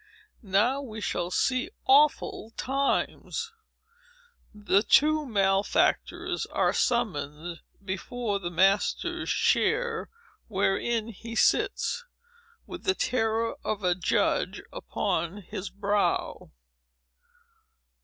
Now we shall see awful times! The two malefactors are summoned before the master's chair, wherein he sits, with the terror of a judge upon his brow.